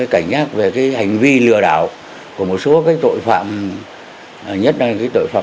thứ nhất là phải biết được tính chất hoạt động của bọn tội phạm